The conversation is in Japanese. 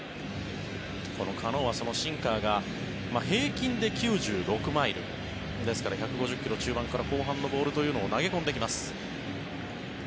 このカノは、そのシンカーが平均で９６マイルですから１５０ｋｍ中盤から後半のボールを投げ込んできます。